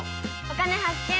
「お金発見」。